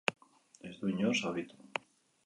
Ez du inor zauritu.